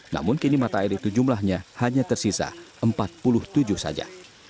namun kini mata air itu jumlahnya hanya tersisa empat puluh tujuh saja